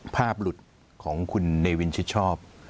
ภาพหลุดของคุณเนวินชิดชอบ